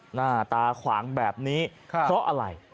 หน้าตาขวางแบบนี้เพราะอะไร